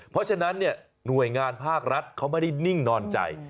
เพราะฉะนั้นหน่วยงานภาครัฐเขาไม่ได้นิ่งนอนใจ